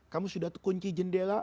kamu sudah kunci jendela